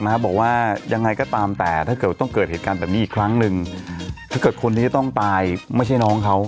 บอกว่ายังไงก็ตามแต่ถ้าเกิดต้องเกิดเหตุการณ์แบบนี้อีกครั้งหนึ่งถ้าเกิดคนที่จะต้องตายไม่ใช่น้องเขา